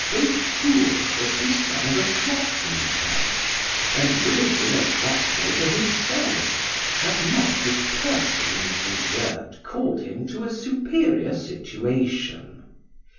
Gauffecourt was the son of a clock maker, and would have been a clock maker himself had not his person and desert called him to a superior situation.